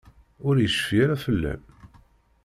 Ur yecfi ara fell-am?